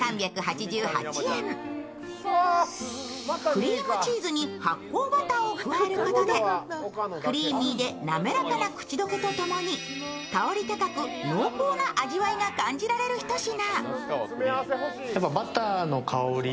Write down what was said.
クリームチーズに発酵バターを加えることでクリーミーでなめらかな口溶けとともに、香り高く濃厚な味わいが感じられるひと品。